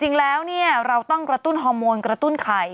จริงแล้วเราต้องกระตุ้นฮอร์โมนกระตุ้นไข่